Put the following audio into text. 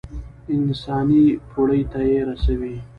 انساني پوړۍ ته يې رسوي.